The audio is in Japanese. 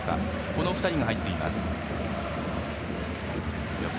この２人が入っています。